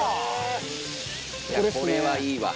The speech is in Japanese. これはいいわ。